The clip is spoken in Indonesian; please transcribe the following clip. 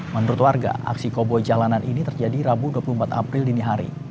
menurut warga aksi koboi jalanan ini terjadi rabu dua puluh empat april dini hari